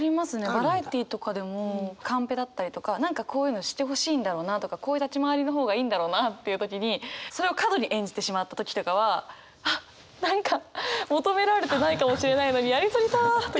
バラエティーとかでもカンペだったりとか何かこういうのしてほしいんだろうなとかこういう立ち回りの方がいいんだろうなっていう時にそれを過度に演じてしまった時とかはあっ何か求められてないかもしれないのにやり過ぎたとか。